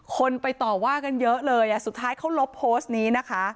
คนไปต่อว่ากันเยอะเลยสุดท้ายเขาลบโพสต์นี้นะคะ